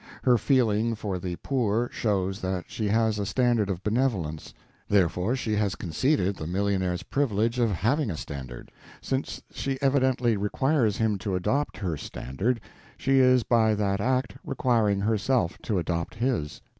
Her feeling for the poor shows that she has a standard of benevolence; there she has conceded the millionaire's privilege of having a standard; since she evidently requires him to adopt her standard, she is by that act requiring herself to adopt his.